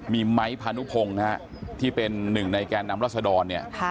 มีไม้พานุพงศ์นะครับที่เป็นหนึ่งในแกนน้ำลักษณ์ดอน